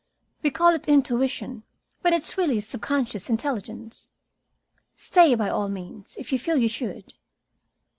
We call it intuition, but it's really subconscious intelligence. Stay, by all means, if you feel you should."